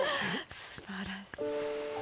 すばらしい。